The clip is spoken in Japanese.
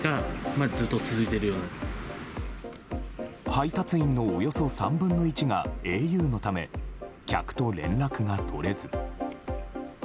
配達員のおよそ３分の１がａｕのため客と連絡が取れず。